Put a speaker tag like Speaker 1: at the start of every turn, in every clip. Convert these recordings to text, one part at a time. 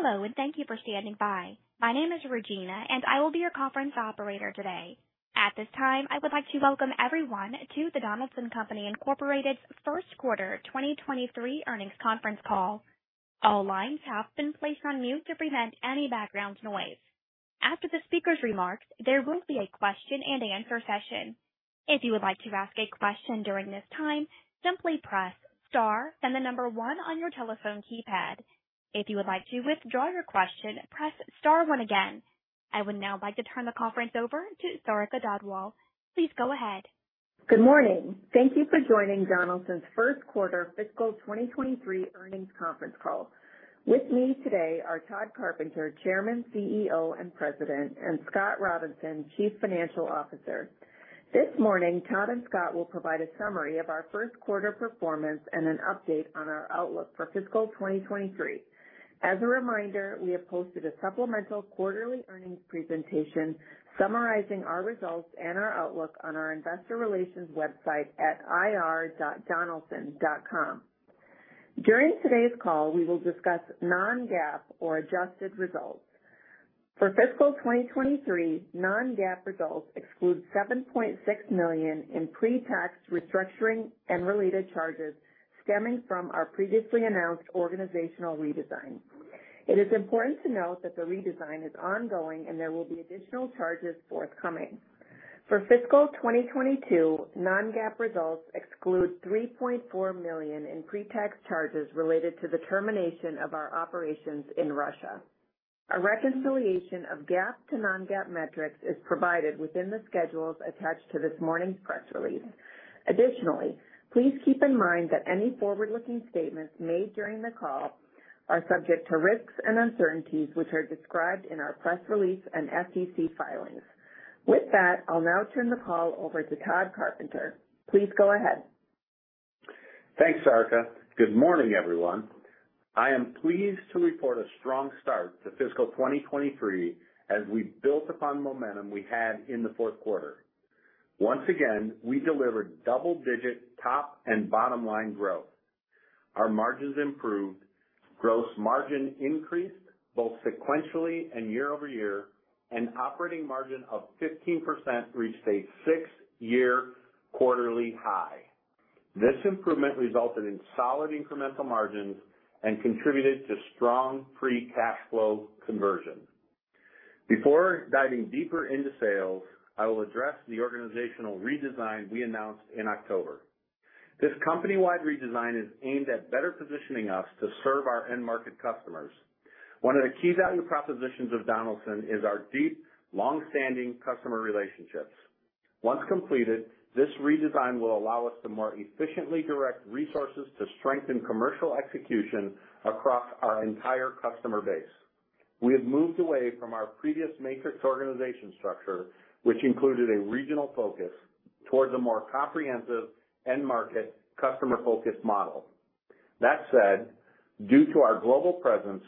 Speaker 1: Hello, thank you for standing by. My name is Regina. I will be your conference operator today. At this time, I would like to welcome everyone to the Donaldson Company, Inc.'s First Quarter 2023 Earnings Conference Call. All lines have been placed on mute to prevent any background noise. After the speaker's remarks, there will be a question-and-answer session. If you would like to ask a question during this time, simply press star, then the number one on your telephone keypad. If you would like to withdraw your question, press star one again. I would now like to turn the conference over to Sarika Dhadwal. Please go ahead.
Speaker 2: Good morning. Thank you for joining Donaldson's first quarter fiscal 2023 earnings conference call. With me today are Tod Carpenter, Chairman, CEO, and President, and Scott Robinson, Chief Financial Officer. This morning, Tod and Scott will provide a summary of our first quarter performance and an update on our outlook for fiscal 2023. As a reminder, we have posted a supplemental quarterly earnings presentation summarizing our results and our outlook on our investor relations website at ir.donaldson.com. During today's call, we will discuss non-GAAP or adjusted results. For fiscal 2023, non-GAAP results exclude $7.6 million in pre-tax restructuring and related charges stemming from our previously announced organizational redesign. It is important to note that the redesign is ongoing, and there will be additional charges forthcoming. For fiscal 2022, non-GAAP results exclude $3.4 million in pre-tax charges related to the termination of our operations in Russia. A reconciliation of GAAP to non-GAAP metrics is provided within the schedules attached to this morning's press release. Please keep in mind that any forward-looking statements made during the call are subject to risks and uncertainties, which are described in our press release and SEC filings. With that, I'll now turn the call over to Tod Carpenter. Please go ahead.
Speaker 3: Thanks, Sarika. Good morning, everyone. I am pleased to report a strong start to fiscal 2023 as we built upon the momentum we had in the fourth quarter. Once again, we delivered double-digit top and bottom line growth. Our margins improved. Gross margin increased both sequentially and year-over-year, and operating margin of 15% reached a six-year quarterly high. This improvement resulted in solid incremental margins and contributed to strong free cash flow conversion. Before diving deeper into sales, I will address the organizational redesign we announced in October. This company-wide redesign is aimed at better positioning us to serve our end market customers. One of the key value propositions of Donaldson is our deep, long-standing customer relationships. Once completed, this redesign will allow us to more efficiently direct resources to strengthen commercial execution across our entire customer base. We have moved away from our previous matrix organization structure, which included a regional focus towards a more comprehensive end market customer-focused model. Due to our global presence,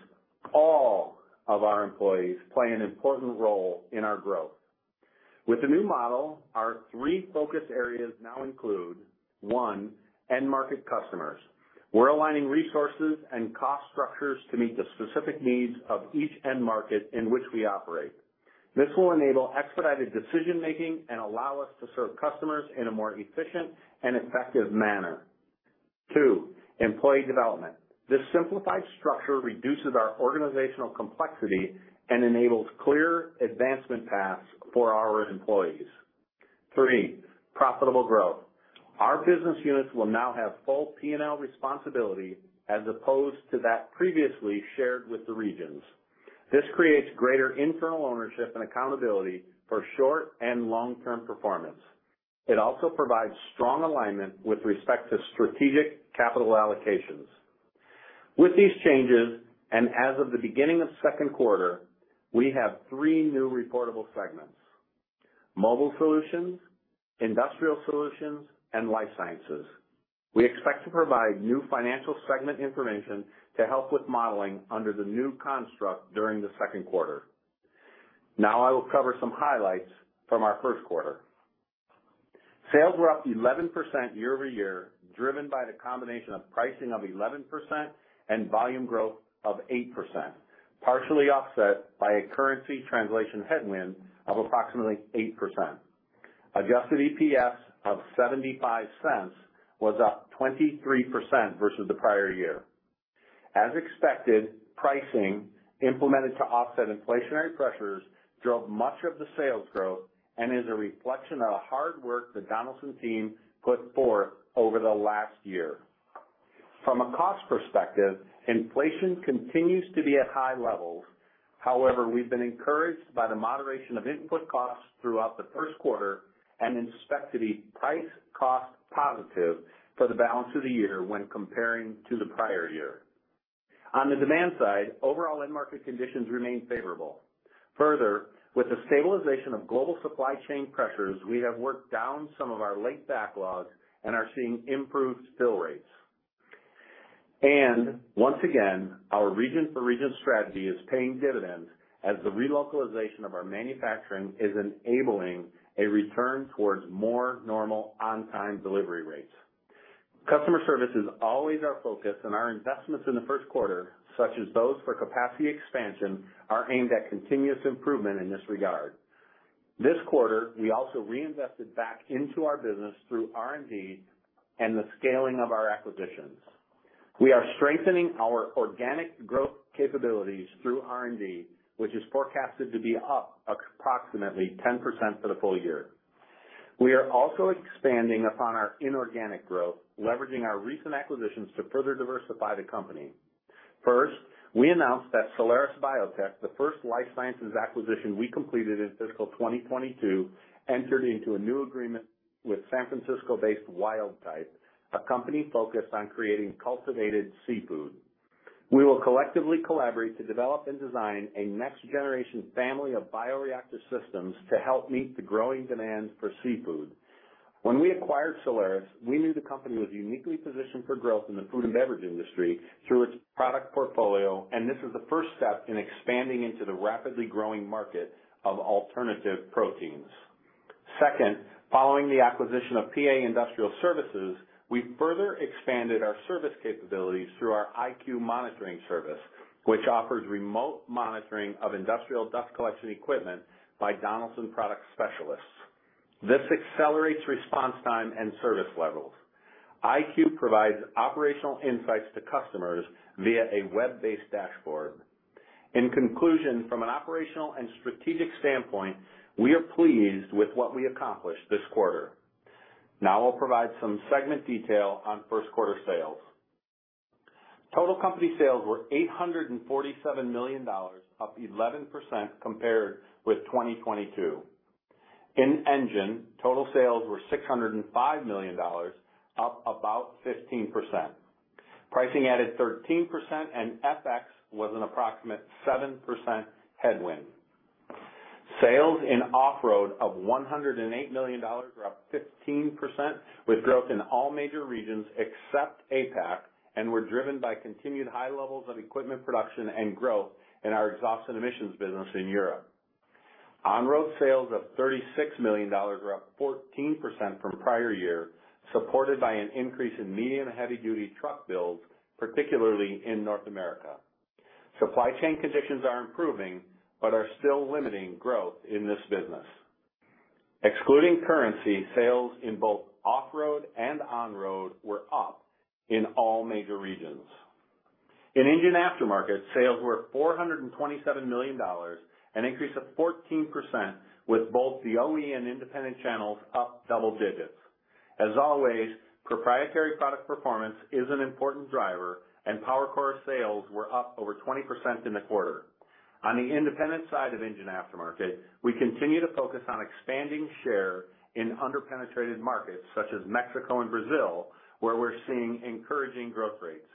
Speaker 3: all of our employees play an important role in our growth. With the new model, our three focus areas now include, one, end market customers. We're aligning resources and cost structures to meet the specific needs of each end market in which we operate. This will enable expedited decision making and allow us to serve customers in a more efficient and effective manner. two, employee development. This simplified structure reduces our organizational complexity and enables clear advancement paths for our employees. three, profitable growth. Our business units will now have full P&L responsibility as opposed to that previously shared with the regions. This creates greater internal ownership and accountability for short and long-term performance. It also provides strong alignment with respect to strategic capital allocations. With these changes, and as of the beginning of second quarter, we have three new reportable segments: Mobile Solutions, Industrial Solutions, and Life Sciences. We expect to provide new financial segment information to help with modeling under the new construct during the second quarter. I will cover some highlights from our first quarter. Sales were up 11% year-over-year, driven by the combination of pricing of 11% and volume growth of 8%, partially offset by a currency translation headwind of approximately 8%. Adjusted EPS of $0.75 was up 23% versus the prior year. As expected, pricing implemented to offset inflationary pressures drove much of the sales growth and is a reflection of the hard work the Donaldson team put forth over the last year. From a cost perspective, inflation continues to be at high levels. However, we've been encouraged by the moderation of input costs throughout the first quarter and expect to be price cost positive for the balance of the year when comparing to the prior year. On the demand side, overall end market conditions remain favorable. Further, with the stabilization of global supply chain pressures, we have worked down some of our late backlogs and are seeing improved fill rates. Once again, our region-for-region strategy is paying dividends as the relocalization of our manufacturing is enabling a return towards more normal on-time delivery rates. Customer service is always our focus, and our investments in the first quarter, such as those for capacity expansion, are aimed at continuous improvement in this regard. This quarter, we also reinvested back into our business through R&D and the scaling of our acquisitions. We are strengthening our organic growth capabilities through R&D, which is forecasted to be up approximately 10% for the full year. We are also expanding upon our inorganic growth, leveraging our recent acquisitions to further diversify the company. First, we announced that Solaris Biotech, the first Life Sciences acquisition we completed in fiscal 2022, entered into a new agreement with San Francisco-based Wildtype, a company focused on creating cultivated seafood. We will collectively collaborate to develop and design a next generation family of bioreactor systems to help meet the growing demand for seafood. When we acquired Solaris, we knew the company was uniquely positioned for growth in the food and beverage industry through its product portfolio, this is the first step in expanding into the rapidly growing market of alternative proteins. Second, following the acquisition of P-A Industrial Services, we further expanded our service capabilities through our iCue monitoring service, which offers remote monitoring of industrial dust collection equipment by Donaldson product specialists. This accelerates response time and service levels. iCue provides operational insights to customers via a web-based dashboard. From an operational and strategic standpoint, we are pleased with what we accomplished this quarter. I'll provide some segment detail on first quarter sales. Total company sales were $847 million, up 11% compared with 2022. In Engine, total sales were $605 million, up about 15%. Pricing added 13% and FX was an approximate 7% headwind. Sales in Off-Road of $108 million were up 15% with growth in all major regions except APAC, and were driven by continued high levels of equipment production and growth in our exhaust and emissions business in Europe. On-Road sales of $36 million were up 14% from prior year, supported by an increase in medium and heavy-duty truck builds, particularly in North America. Supply chain conditions are improving, but are still limiting growth in this business. Excluding currency, sales in both Off-Road and On-Road were up in all major regions. In Engine Aftermarket, sales were $427 million, an increase of 14% with both the OE and independent channels up double digits. As always, proprietary product performance is an important driver, and PowerCore sales were up over 20% in the quarter. On the independent side of Engine Aftermarket, we continue to focus on expanding share in under-penetrated markets such as Mexico and Brazil, where we're seeing encouraging growth rates.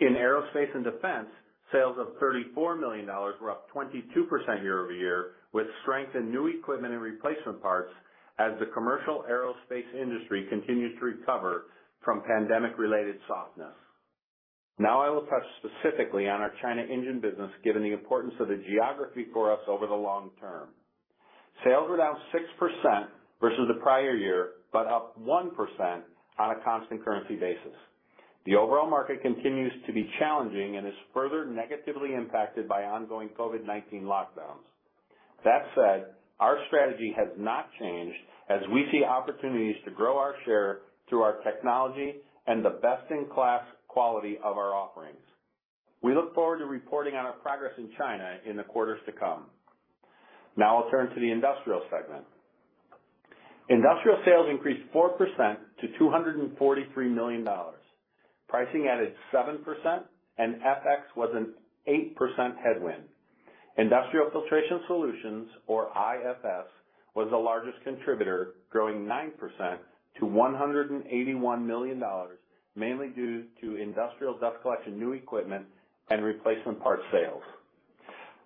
Speaker 3: In Aerospace and Defense, sales of $34 million were up 22% year-over-year, with strength in new equipment and replacement parts as the commercial aerospace industry continues to recover from pandemic-related softness. I will touch specifically on our China engine business, given the importance of the geography for us over the long term. Sales were down 6% versus the prior year, but up 1% on a constant currency basis. The overall market continues to be challenging and is further negatively impacted by ongoing COVID-19 lockdowns. That said, our strategy has not changed as we see opportunities to grow our share through our technology and the best-in-class quality of our offerings. We look forward to reporting on our progress in China in the quarters to come. I'll turn to the Industrial segment. Industrial sales increased 4% to $243 million. Pricing added 7% and FX was an 8% headwind. Industrial Filtration Solutions, or IFS, was the largest contributor, growing 9% to $181 million, mainly due to industrial dust collection new equipment and replacement parts sales.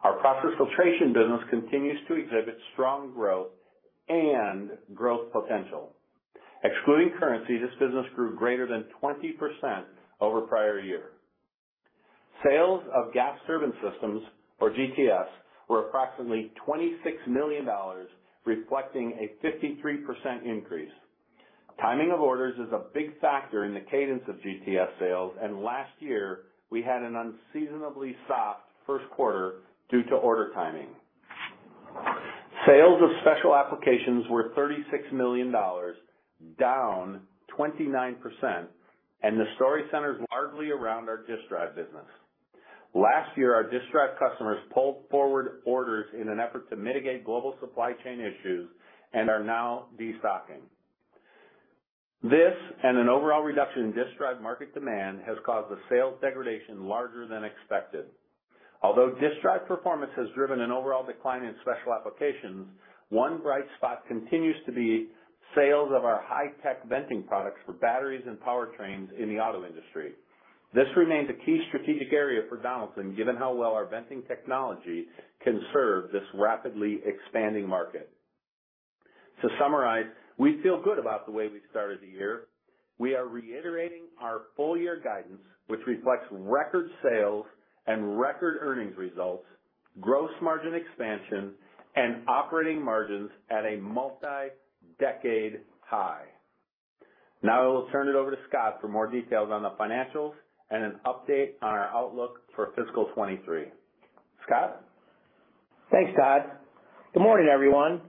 Speaker 3: Our process filtration business continues to exhibit strong growth and growth potential. Excluding currency, this business grew greater than 20% over prior year. Sales of Gas Turbine Systems, or GTS, were approximately $26 million, reflecting a 53% increase. Timing of orders is a big factor in the cadence of GTS sales, last year we had an unseasonably soft first quarter due to order timing. Sales of special applications were $36 million, down 29%. The story centers largely around our Disk Drive business. Last year, our Disk Drive customers pulled forward orders in an effort to mitigate global supply chain issues and are now destocking. This, and an overall reduction in Disk Drive market demand, has caused a sales degradation larger than expected. Although Disk Drive performance has driven an overall decline in special applications, one bright spot continues to be sales of our high-tech venting products for batteries and powertrains in the auto industry. This remains a key strategic area for Donaldson, given how well our venting technology can serve this rapidly expanding market. To summarize, we feel good about the way we started the year. We are reiterating our full year guidance, which reflects record sales and record earnings results. Gross margin expansion and operating margins at a multi-decade high. Now I will turn it over to Scott for more details on the financials and an update on our outlook for fiscal 2023. Scott?
Speaker 4: Thanks, Tod. Good morning, everyone.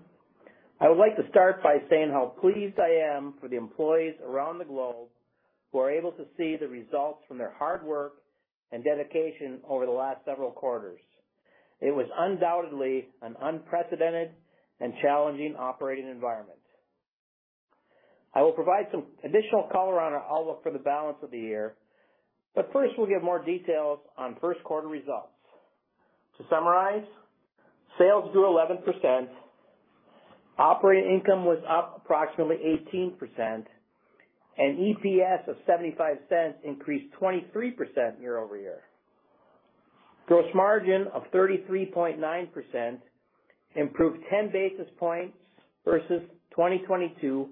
Speaker 4: I would like to start by saying how pleased I am for the employees around the globe who are able to see the results from their hard work and dedication over the last several quarters. It was undoubtedly an unprecedented and challenging operating environment. I will provide some additional color on our outlook for the balance of the year, but first, we'll give more details on first quarter results. To summarize, sales grew 11%, operating income was up approximately 18%, and EPS of $0.75 increased 23% year-over-year. Gross margin of 33.9% improved 10 basis points versus 2022,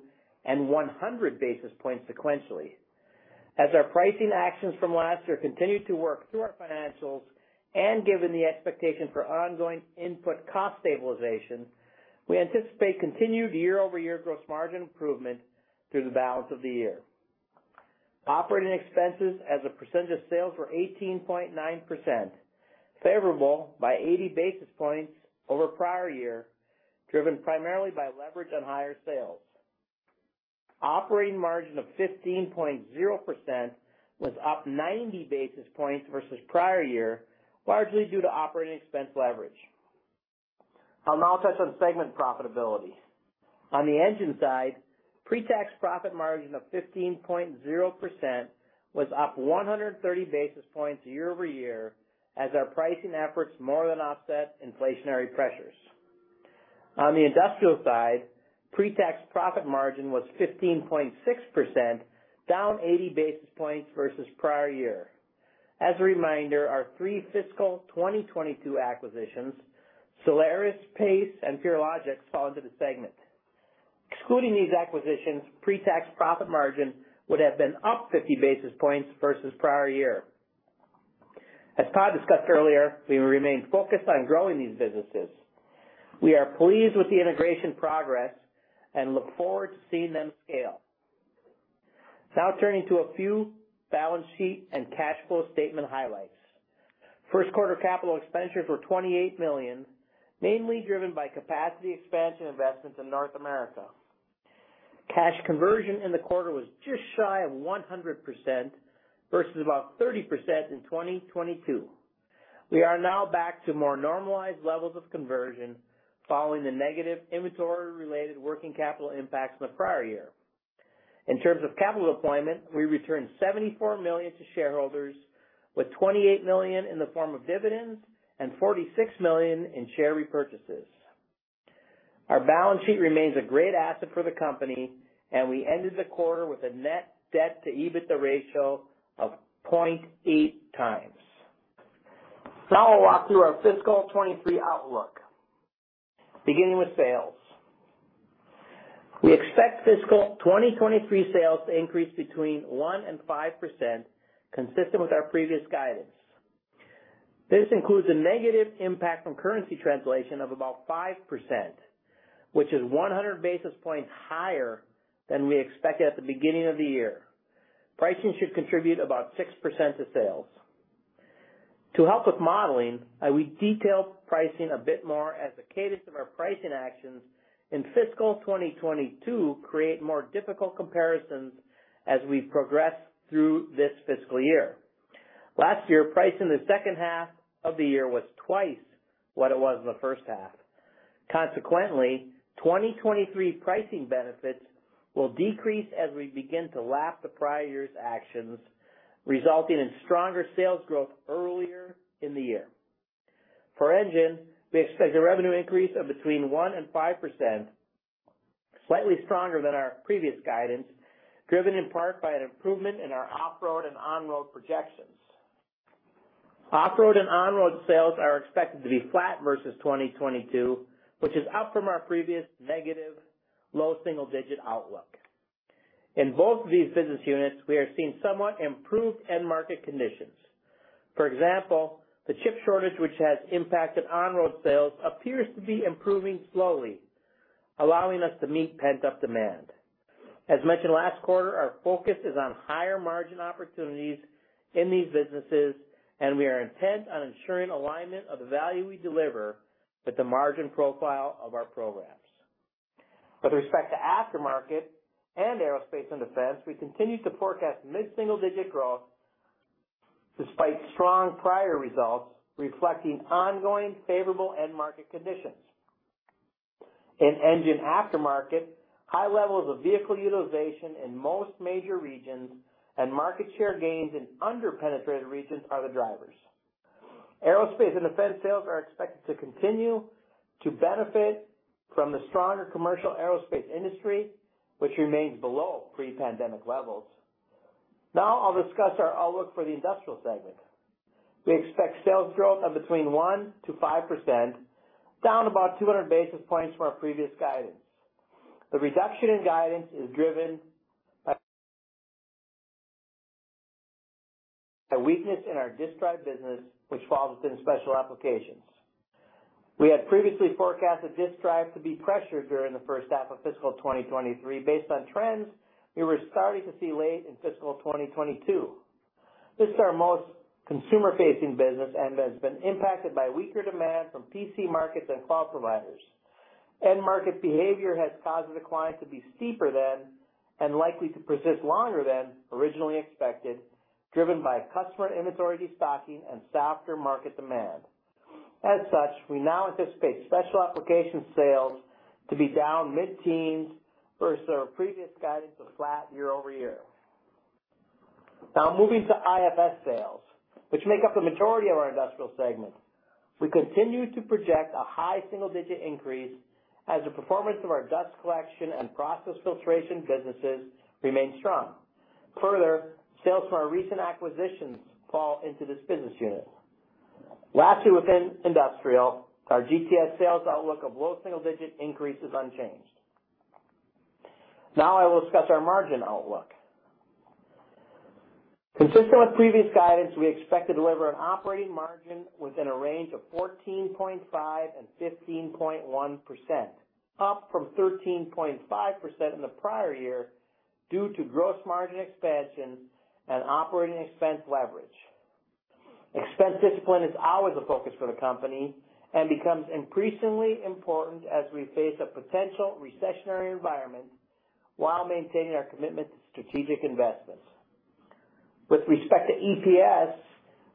Speaker 4: and 100 basis points sequentially. As our pricing actions from last year continued to work through our financials, and given the expectation for ongoing input cost stabilization, we anticipate continued year-over-year gross margin improvement through the balance of the year. Operating expenses as a percentage of sales were 18.9%, favorable by 80 basis points over prior year, driven primarily by leverage on higher sales. Operating margin of 15.0% was up 90 basis points versus prior year, largely due to operating expense leverage. I'll now touch on segment profitability. On the Engine side, pre-tax profit margin of 15.0% was up 130 basis points year-over-year as our pricing efforts more than offset inflationary pressures. On the Industrial side, pre-tax profit margin was 15.6%, down 80 basis points versus prior year. As a reminder, our three fiscal 2022 acquisitions, Solaris, PAIS, and Purlogix, fall into the segment. Excluding these acquisitions, pre-tax profit margin would have been up 50 basis points versus prior year. As Tod discussed earlier, we remain focused on growing these businesses. We are pleased with the integration progress and look forward to seeing them scale. Turning to a few balance sheet and cash flow statement highlights. First quarter capital expenditures were $28 million, mainly driven by capacity expansion investments in North America. Cash conversion in the quarter was just shy of 100% versus about 30% in 2022. We are now back to more normalized levels of conversion following the negative inventory-related working capital impacts in the prior year. In terms of capital deployment, we returned $74 million to shareholders with $28 million in the form of dividends and $46 million in share repurchases. Our balance sheet remains a great asset for the company and we ended the quarter with a net debt to EBITDA ratio of 0.8x. I'll walk through our fiscal 2023 outlook, beginning with sales. We expect fiscal 2023 sales to increase between 1% and 5%, consistent with our previous guidance. This includes a negative impact from currency translation of about 5%, which is 100 basis points higher than we expected at the beginning of the year. Pricing should contribute about 6% to sales. To help with modeling, I will detail pricing a bit more as the cadence of our pricing actions in fiscal 2022 create more difficult comparisons as we progress through this fiscal year. Last year, pricing in the H2 was twice what it was in the first half. Consequently, 2023 pricing benefits will decrease as we begin to lap the prior year's actions, resulting in stronger sales growth earlier in the year. For Engine, we expect a revenue increase of between 1% and 5%, slightly stronger than our previous guidance, driven in part by an improvement in our Off-Road and On-Road projections. Off-Road and On-Road sales are expected to be flat versus 2022, which is up from our previous negative low single-digit outlook. In both of these business units, we are seeing somewhat improved end market conditions. For example, the chip shortage, which has impacted On-Road sales, appears to be improving slowly, allowing us to meet pent-up demand. As mentioned last quarter, our focus is on higher margin opportunities in these businesses, and we are intent on ensuring alignment of the value we deliver with the margin profile of our programs. With respect to aftermarket and Aerospace and Defense, we continue to forecast mid-single-digit growth despite strong prior results reflecting ongoing favorable end market conditions. In Engine Aftermarket, high levels of vehicle utilization in most major regions and market share gains in under-penetrated regions are the drivers. Aerospace and Defense sales are expected to continue to benefit from the stronger commercial aerospace industry, which remains below pre-pandemic levels. I'll discuss our outlook for the Industrial segment. We expect sales growth of between 1%-5%, down about 200 basis points from our previous guidance. The reduction in guidance is driven by a weakness in our Disk Drive business, which falls within Special Applications. We had previously forecasted Disk Drive to be pressured during the first half of fiscal 2023 based on trends we were starting to see late in fiscal 2022. This is our most consumer-facing business and has been impacted by weaker demand from PC markets and cloud providers. End market behavior has caused the decline to be steeper than, and likely to persist longer than originally expected, driven by customer inventory destocking and softer market demand. As such, we now anticipate special application sales to be down mid-teens versus our previous guidance of flat year-over-year. Now moving to IFS sales, which make up the majority of our industrial segment. We continue to project a high single-digit increase as the performance of our dust collection and process filtration businesses remain strong. Further, sales from our recent acquisitions fall into this business unit. Lastly, within industrial, our GTS sales outlook of low single-digit increase is unchanged. Now I will discuss our margin outlook. Consistent with previous guidance, we expect to deliver an operating margin within a range of 14.5% and 15.1%, up from 13.5% in the prior year due to gross margin expansion and operating expense leverage. Expense discipline is always a focus for the company and becomes increasingly important as we face a potential recessionary environment while maintaining our commitment to strategic investments. With respect to EPS,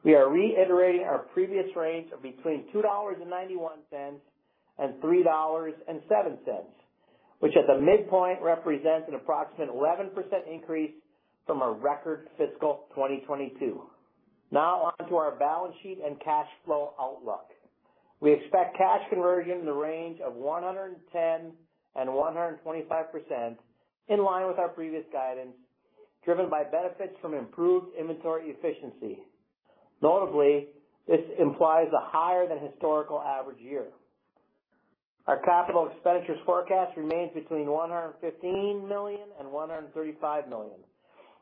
Speaker 4: we are reiterating our previous range of between $2.91 and $3.07, which at the midpoint represents an approximate 11% increase from our record fiscal 2022. Now on to our balance sheet and cash flow outlook. We expect cash conversion in the range of 110% and 125%, in line with our previous guidance, driven by benefits from improved inventory efficiency. Notably, this implies a higher than historical average year. Our capital expenditures forecast remains between $115 million and $135 million.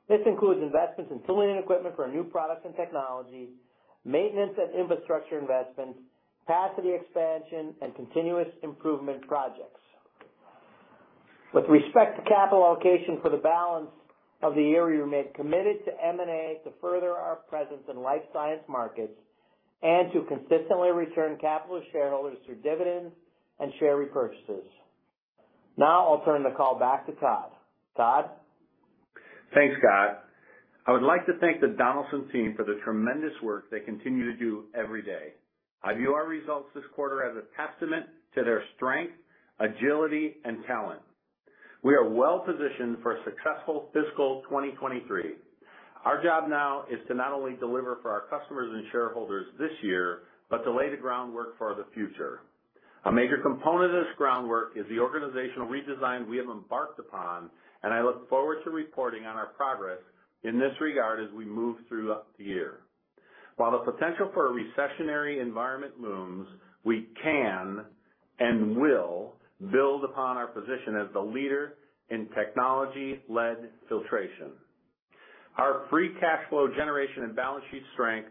Speaker 4: This includes investments in tooling and equipment for our new products and technology, maintenance and infrastructure investments, capacity expansion, and continuous improvement projects. With respect to capital allocation for the balance of the year, we remain committed to M&A to further our presence in Life Sciences markets and to consistently return capital to shareholders through dividends and share repurchases. I'll turn the call back to Tod. Tod?
Speaker 3: Thanks, Scott. I would like to thank the Donaldson team for the tremendous work they continue to do every day. I view our results this quarter as a testament to their strength, agility, and talent. We are well-positioned for a successful fiscal 2023. Our job now is to not only deliver for our customers and shareholders this year, but to lay the groundwork for the future. A major component of this groundwork is the organizational redesign we have embarked upon, and I look forward to reporting on our progress in this regard as we move throughout the year. While the potential for a recessionary environment looms, we can and will build upon our position as the leader in technology-led filtration. Our free cash flow generation and balance sheet strength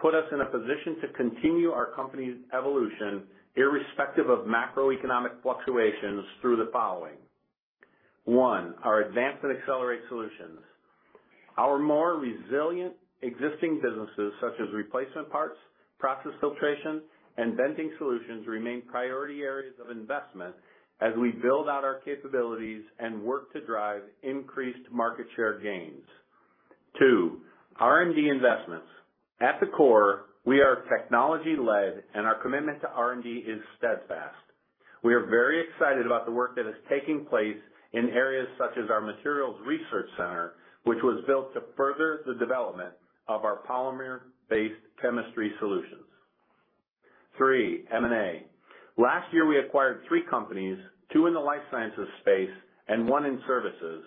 Speaker 3: put us in a position to continue our company's evolution, irrespective of macroeconomic fluctuations through the following. one, our advance and accelerate solutions. Our more resilient existing businesses, such as replacement parts, process filtration, and venting solutions, remain priority areas of investment as we build out our capabilities and work to drive increased market share gains. two, R&D investments. At the core, we are technology-led. Our commitment to R&D is steadfast. We are very excited about the work that is taking place in areas such as our materials research center, which was built to further the development of our polymer-based chemistry solutions. three, M&A. Last year, we acquired three companies, two in the Life Sciences space and one in services,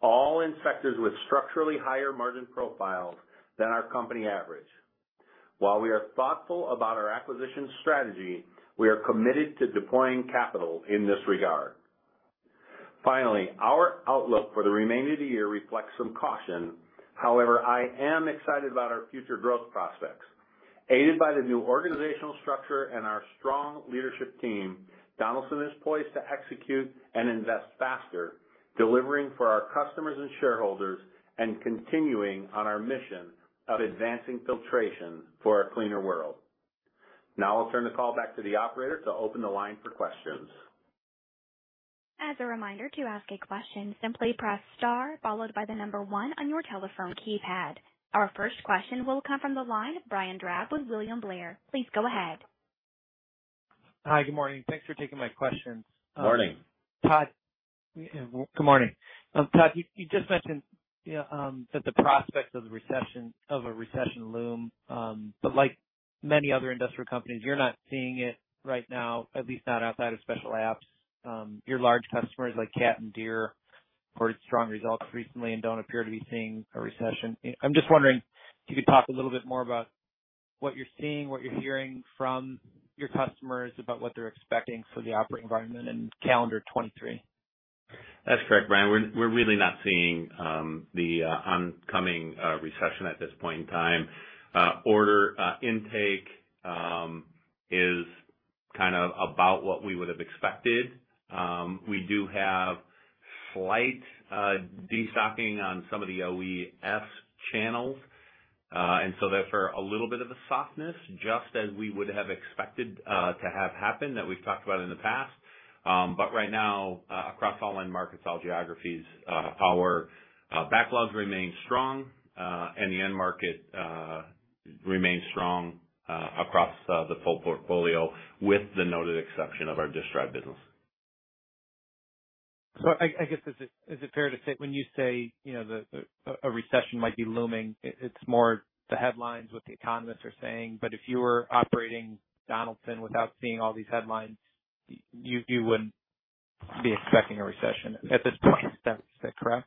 Speaker 3: all in sectors with structurally higher margin profiles than our company average. While we are thoughtful about our acquisition strategy, we are committed to deploying capital in this regard. Finally, our outlook for the remainder of the year reflects some caution. I am excited about our future growth prospects. Aided by the new organizational structure and our strong leadership team, Donaldson is poised to execute and invest faster, delivering for our customers and shareholders, and continuing on our mission of advancing filtration for a cleaner world. I'll turn the call back to the operator to open the line for questions.
Speaker 1: As a reminder, to ask a question, simply press star followed by the number one on your telephone keypad. Our first question will come from the line of Brian Drab with William Blair. Please go ahead.
Speaker 5: Hi. Good morning. Thanks for taking my questions.
Speaker 3: Morning.
Speaker 5: Tod. Good morning. Tod, you just mentioned that the prospects of a recession loom. Like many other industrial companies, you're not seeing it right now, at least not outside of special apps. Your large customers like Cat and Deere reported strong results recently and don't appear to be seeing a recession. I'm just wondering if you could talk a little bit more about what you're seeing, what you're hearing from your customers about what they're expecting for the operating environment in calendar 2023.
Speaker 3: That's correct, Brian. We're really not seeing the oncoming recession at this point in time. Order intake is kind of about what we would have expected. We do have slight destocking on some of the OEF channels, and so therefore a little bit of a softness just as we would have expected to have happen that we've talked about in the past. Right now, across all end markets, all geographies, our backlogs remain strong, and the end market remains strong across the full portfolio with the noted exception of our Disk Drive business.
Speaker 5: I guess, is it fair to say when you say, you know, a recession might be looming, it's more the headlines, what the economists are saying, but if you were operating Donaldson without seeing all these headlines, you wouldn't be expecting a recession at this point. Is that correct?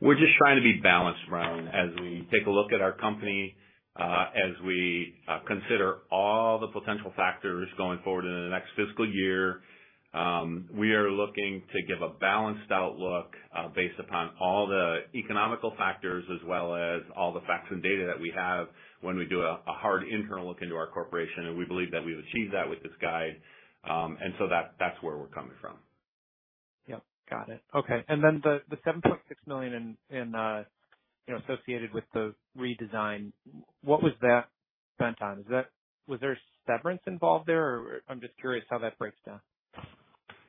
Speaker 3: We're just trying to be balanced, Brian. As we take a look at our company, as we consider all the potential factors going forward into the next fiscal year, we are looking to give a balanced outlook, based upon all the economical factors as well as all the facts and data that we have when we do a hard internal look into our corporation. We believe that we've achieved that with this guide, that's where we're coming from.
Speaker 5: Yep, got it. Okay. Then the $7.6 million in, you know, associated with the redesign, what was that spent on? Was there severance involved there, or I'm just curious how that breaks down.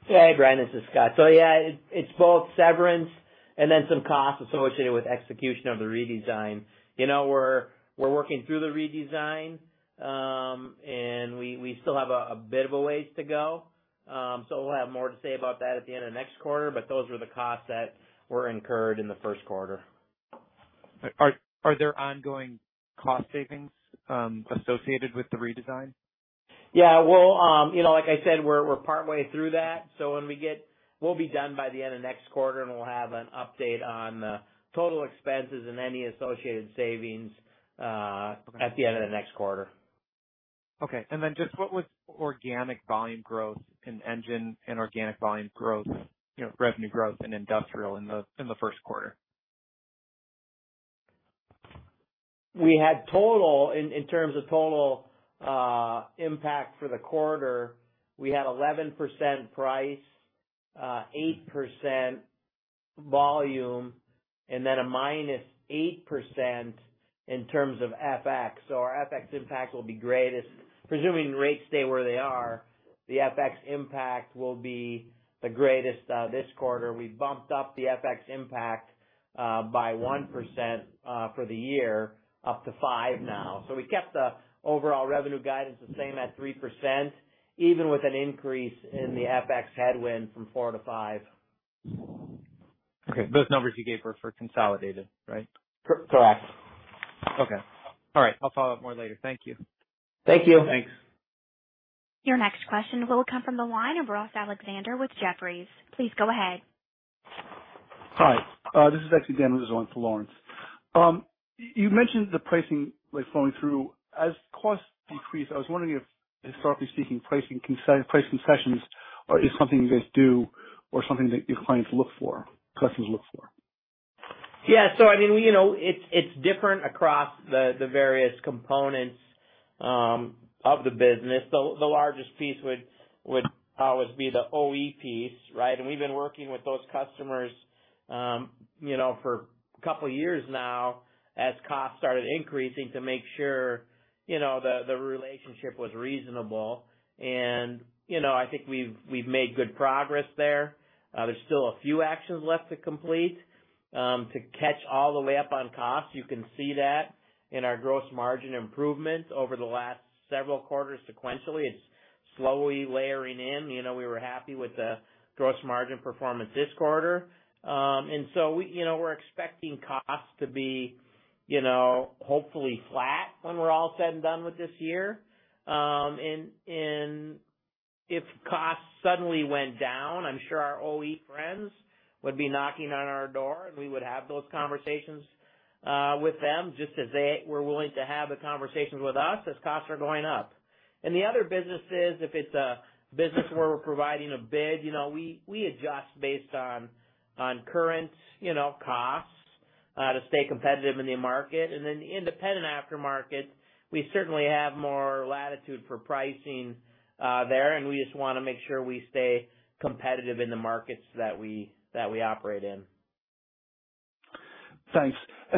Speaker 4: Yeah. Brian, this is Scott. Yeah, it's both severance and then some costs associated with execution of the redesign. You know, we're working through the redesign, and we still have a bit of a ways to go. We'll have more to say about that at the end of next quarter. Those were the costs that were incurred in the first quarter.
Speaker 5: Are there ongoing cost savings associated with the redesign?
Speaker 4: Yeah. Well, you know, like I said, we're partway through that. We'll be done by the end of next quarter. We'll have an update on the total expenses and any associated savings at the end of the next quarter.
Speaker 5: Okay. Just what was organic volume growth in Engine and organic volume growth, you know, revenue growth in Industrial in the, in the first quarter?
Speaker 4: We had total. In terms of total impact for the quarter, we had 11% price, 8% volume, and then a -8% in terms of FX. Our FX impact will be greatest. Presuming rates stay where they are, the FX impact will be the greatest this quarter. We bumped up the FX impact by 1% for the year, up to five now. We kept the overall revenue guidance the same at 3%, even with an increase in the FX headwind from 4 to 5.
Speaker 5: Okay. Those numbers you gave were for consolidated, right?
Speaker 4: Cor-correct.
Speaker 5: Okay. All right. I'll follow up more later. Thank you.
Speaker 4: Thank you.
Speaker 3: Thanks.
Speaker 1: Your next question will come from the line of Laurence Alexander with Jefferies. Please go ahead.
Speaker 6: Hi. This is actually Daniel Vilsaint for Lawrence. You mentioned the pricing like flowing through. As costs increase, I was wondering if, historically speaking, pricing sessions is something you guys do or something that your clients look for, customers look for.
Speaker 4: Yeah. I mean, you know, it's different across the various components of the business. The, the largest piece would always be the OE piece, right? We've been working with those customers, you know, for a couple of years now as costs started increasing to make sure, you know, the relationship was reasonable. I think we've made good progress there. There's still a few actions left to complete to catch all the way up on costs. You can see that in our gross margin improvements over the last several quarters sequentially. It's slowly layering in. You know, we were happy with the gross margin performance this quarter. We, you know, we're expecting costs to be, you know, hopefully flat when we're all said and done with this year. If costs suddenly went down, I'm sure our OE friends would be knocking on our door, and we would have those conversations with them just as they were willing to have the conversations with us as costs are going up. In the other businesses, if it's a business where we're providing a bid, you know, we adjust based on current, you know, costs to stay competitive in the market. Then independent aftermarket, we certainly have more latitude for pricing there, and we just wanna make sure we stay competitive in the markets that we, that we operate in.
Speaker 6: Thanks. I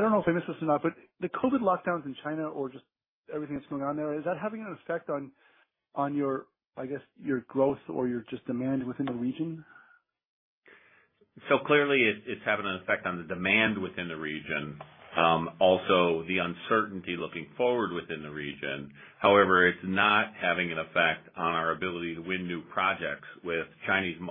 Speaker 6: don't know if I missed this or not, but the COVID lockdowns in China or just everything that's going on there, is that having an effect on your, I guess, your growth or your just demand within the region?
Speaker 3: Clearly it's having an effect on the demand within the region, also the uncertainty looking forward within the region. However, it's not having an effect on our ability to win new projects with Chinese-based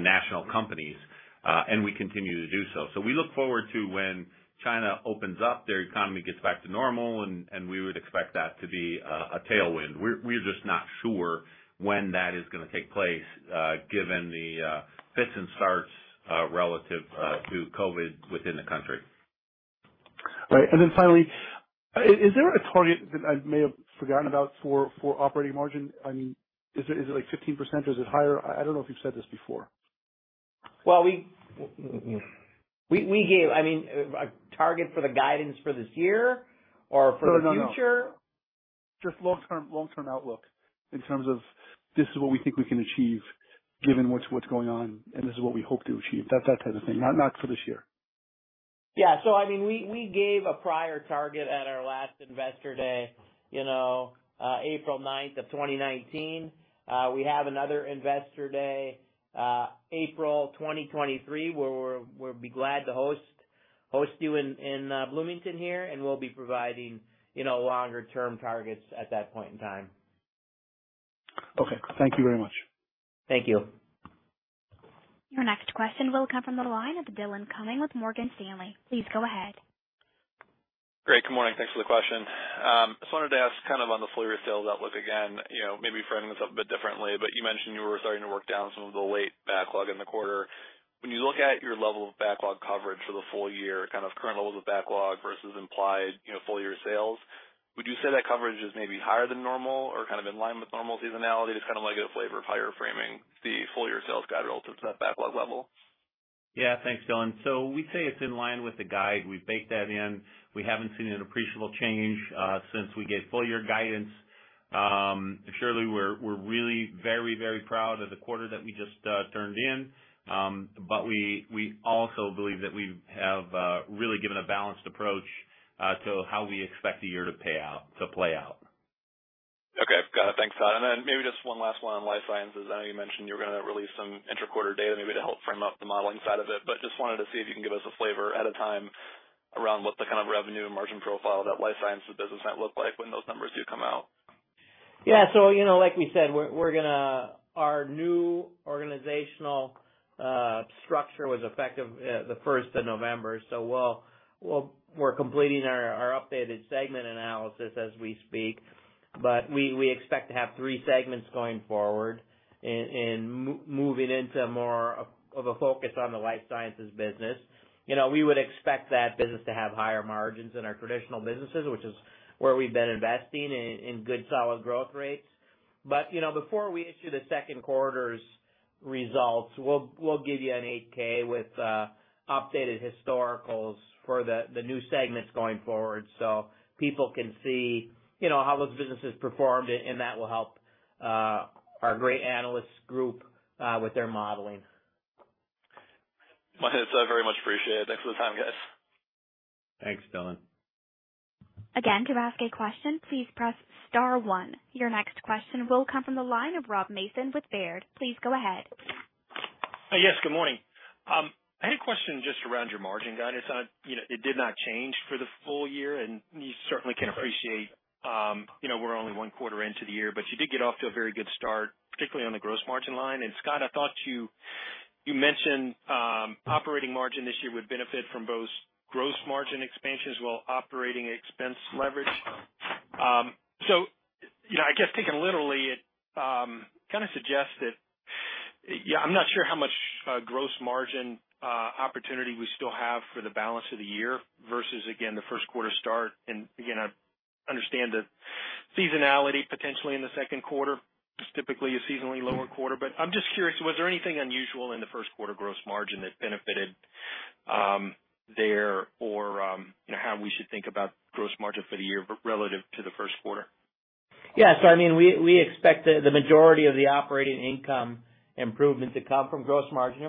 Speaker 3: national companies, and we continue to do so. We look forward to when China opens up, their economy gets back to normal, and we would expect that to be a tailwind. We're just not sure when that is gonna take place given the fits and starts relative to COVID within the country.
Speaker 6: Right. Then finally, is there a target that I may have forgotten about for operating margin? I mean, is it like 15%? Is it higher? I don't know if you've said this before.
Speaker 4: Well, we gave, I mean, a target for the guidance for this year or for the future?
Speaker 6: No, no. Just long-term, long-term outlook in terms of this is what we think we can achieve given what's going on, and this is what we hope to achieve. That type of thing, not for this year.
Speaker 4: Yeah. I mean, we gave a prior target at our last investor day, you know, April 9, 2019. We have another investor day, April 2023, where we'll be glad to host you in Bloomington here, and we'll be providing, you know, longer term targets at that point in time.
Speaker 6: Okay. Thank you very much.
Speaker 4: Thank you.
Speaker 1: Your next question will come from the line of Dillon Cumming with Morgan Stanley. Please go ahead.
Speaker 7: Great, Good morning. Thanks for the question. Just wanted to ask kind of on the full year sales outlook again, you know, maybe framing this up a bit differently, but you mentioned you were starting to work down some of the late backlog in the quarter. When you look at your level of backlog coverage for the full year, kind of current levels of backlog versus implied, you know, full year sales, would you say that coverage is maybe higher than normal or kind of in line with normal seasonality? Just kinda like get a flavor of how you're framing the full year sales guide relative to that backlog level?
Speaker 3: Yeah, thanks, Dillon. We'd say it's in line with the guide. We baked that in. We haven't seen an appreciable change since we gave full year guidance. Surely we're really very, very proud of the quarter that we just turned in. We also believe that we have really given a balanced approach to how we expect the year to play out.
Speaker 7: Okay. Got it. Thanks, Tod. Maybe just one last one on Life Sciences. I know you mentioned you were gonna release some inter quarter data maybe to help frame up the modeling side of it, just wanted to see if you can give us a flavor at a time around what the kind of revenue and margin profile that Life Sciences business might look like when those numbers do come out.
Speaker 4: Yeah. You know, like we said, our new organizational structure was effective the first of November. We're completing our updated segment analysis as we speak. We expect to have 3 segments going forward and moving into more of a focus on the Life Sciences business. You know, we would expect that business to have higher margins than our traditional businesses, which is where we've been investing in good, solid growth rates. You know, before we issue the 2Q results, we'll give you an Form 8-K with updated historicals for the new segments going forward so people can see, you know, how those businesses performed, and that will help our great analyst group with their modeling.
Speaker 7: My head, so very much appreciate it. Thanks for the time, guys.
Speaker 3: Thanks, Dillon.
Speaker 1: Again, to ask a question, please press star one. Your next question will come from the line of Rob Mason with Baird. Please go ahead.
Speaker 8: Yes, good morning. I had a question just around your margin guidance. You know, it did not change for the full year. You certainly can appreciate, you know, we're only one quarter into the year, but you did get off to a very good start, particularly on the gross margin line. Scott, I thought you mentioned operating margin this year would benefit from both gross margin expansion as well operating expense leverage. You know, I guess taken literally, it kind of suggests that, yeah, I'm not sure how much gross margin opportunity we still have for the balance of the year versus again, the 1st quarter start. Again, I understand the seasonality potentially in the 2nd quarter. It's typically a seasonally lower quarter. I'm just curious, was there anything unusual in the first quarter gross margin that benefited, there or, you know, how we should think about gross margin for the year relative to the first quarter?
Speaker 4: Yeah. I mean, we expect the majority of the operating income improvement to come from gross margin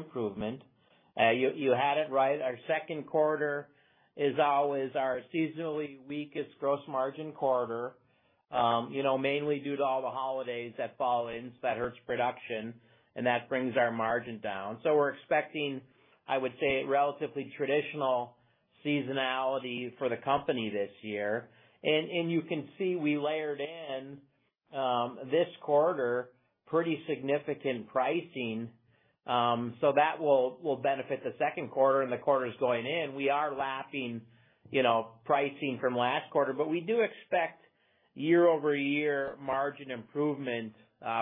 Speaker 4: improvement. You had it right. Our second quarter is always our seasonally weakest gross margin quarter, you know, mainly due to all the holidays that fall in. That hurts production and that brings our margin down. We're expecting, I would say, relatively traditional seasonality for the company this year. You can see we layered in this quarter pretty significant pricing, that will benefit the second quarter and the quarters going in. We are lapping, you know, pricing from last quarter, we do expect year-over-year margin improvement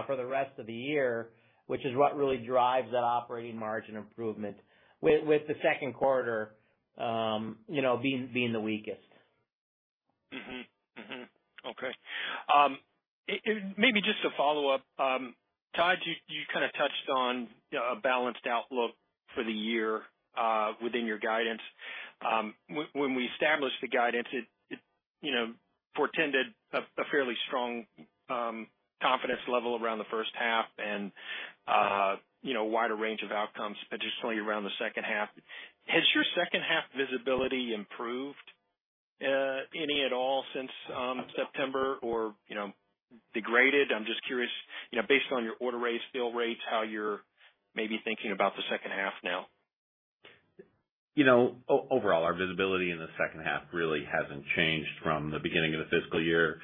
Speaker 4: for the rest of the year, which is what really drives that operating margin improvement with the second quarter, you know, being the weakest.
Speaker 8: Okay. Maybe just to follow up. Tod, you kinda touched on a balanced outlook for the year within your guidance. When we established the guidance, it, you know, portended a fairly strong confidence level around the first half and, you know, a wider range of outcomes additionally around the second half. Has your second half visibility improved any at all since September or, you know, degraded? I'm just curious, you know, based on your order rates, bill rates, how you're maybe thinking about the second half now.
Speaker 3: You know, overall, our visibility in the second half really hasn't changed from the beginning of the fiscal year.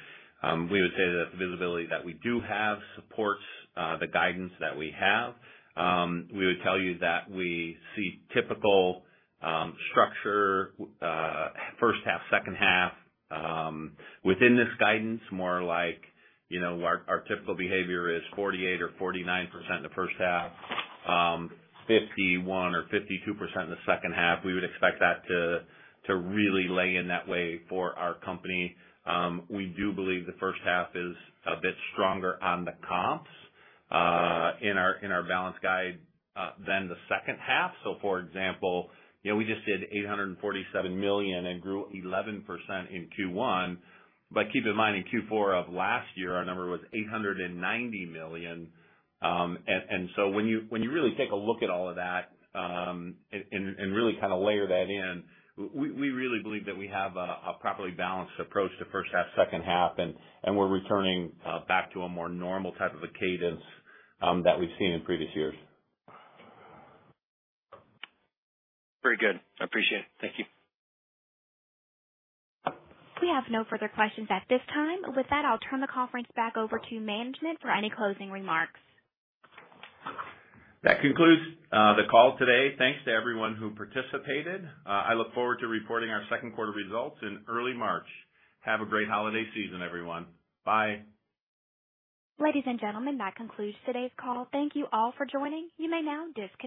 Speaker 3: We would say that the visibility that we do have supports the guidance that we have. We would tell you that we see typical structure, first half, second half, within this guidance, more like, you know, our typical behavior is 48% or 49% in the first half, 51% or 52% in the second half. We would expect that to really lay in that way for our company. We do believe the first half is a bit stronger on the comps in our balance guide than the second half. For example, you know, we just did $847 million and grew 11% in Q1. Keep in mind, in Q4 of last year, our number was $890 million. When you really take a look at all of that, and really kinda layer that in, we really believe that we have a properly balanced approach to first half, second half, and we're returning back to a more normal type of a cadence that we've seen in previous years.
Speaker 8: Very good. I appreciate it. Thank you.
Speaker 1: We have no further questions at this time. With that, I'll turn the conference back over to management for any closing remarks.
Speaker 3: That concludes the call today. Thanks to everyone who participated. I look forward to reporting our second quarter results in early March. Have a great holiday season, everyone. Bye.
Speaker 1: Ladies and gentlemen, that concludes today's call. Thank you all for joining. You may now disconnect.